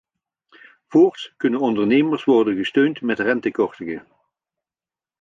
Voorts kunnen ondernemers worden gesteund met rentekortingen.